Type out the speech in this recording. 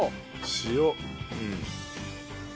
塩。